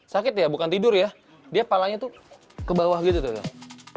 sakit ya bukan tidur ya dia palanya tuh ke bawah gitu tuh mas